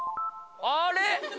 あれ？